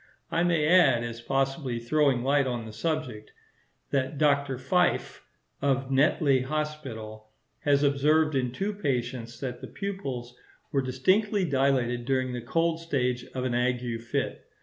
I may add, as possibly throwing light on the subject, that Dr. Fyffe, of Netley Hospital, has observed in two patients that the pupils were distinctly dilated during the cold stage of an ague fit.